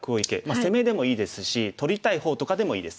攻めでもいいですし取りたい方とかでもいいです。